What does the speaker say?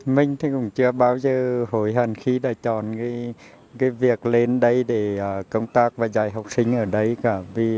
mình thì cũng chưa bao giờ hối hận khi đã chọn cái việc lên đây để công tác và dạy học sinh ở đây cả